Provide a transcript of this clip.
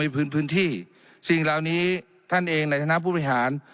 พื้นที่สิ่งเหล่านี้ท่านเองในฐานะผู้บริหาร